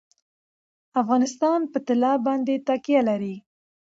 افغانستان په طلا باندې تکیه لري.